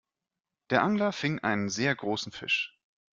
Der Angler fing einen sehr großen Fisch.